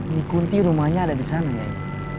nyikunti rumahnya ada disana nyai